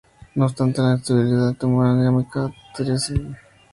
No obstante, la estabilidad termodinámica decrece con el tamaño del metal.